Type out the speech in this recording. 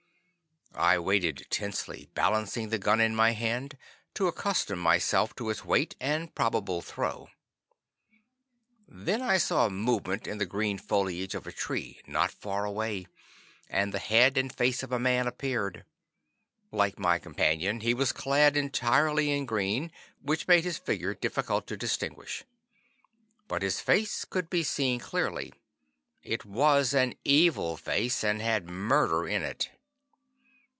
I waited tensely, balancing the gun in my hand, to accustom myself to its weight and probable throw. Then I saw a movement in the green foliage of a tree not far away, and the head and face of a man appeared. Like my companion, he was clad entirely in green, which made his figure difficult to distinguish. But his face could be seen clearly. It was an evil face, and had murder in it.